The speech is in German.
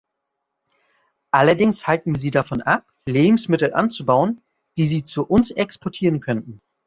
Allerdings halten wir sie davon ab, Lebensmittel anzubauen, die sie zu uns exportieren könnten.